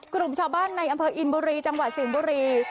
กลุ่มชาวบ้านในอำเภออินบุรีจังหวัดสิงห์บุรี